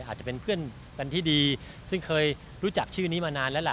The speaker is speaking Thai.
อาจจะเป็นเพื่อนกันที่ดีซึ่งเคยรู้จักชื่อนี้มานานแล้วล่ะ